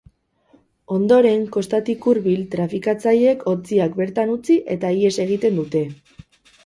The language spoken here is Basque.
Ondoren, kostatik hurbil, trafikatzaileek ontziak bertan utzi eta ihes egiten dute.